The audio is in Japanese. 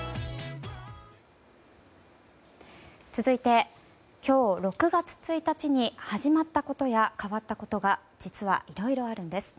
続いて今日、６月１日に始まったことや変わったことが実はいろいろあるんです。